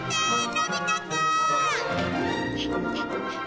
のび太くん！